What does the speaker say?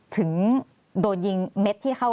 ถึงโดนยิงเม็ดที่เข้า